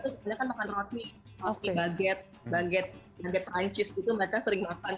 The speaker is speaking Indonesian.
kita kan makan roti roti baget baget baget perancis gitu mereka sering makan